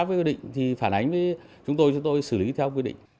với quy định thì phản ánh với chúng tôi chúng tôi xử lý theo quy định